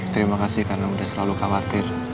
terima kasih karena sudah selalu khawatir